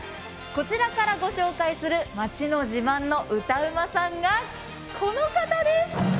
こちらから御紹介する町の自慢の歌うまさんがこの方です。